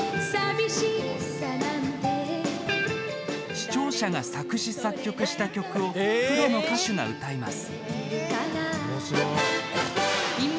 視聴者が作詞・作曲した曲をプロの歌手が歌います。